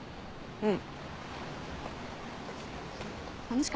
うん。